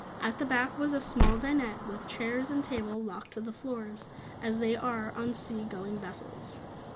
At the back was a small dinette, with chairs and table locked to the floors as they are on sea going vessels.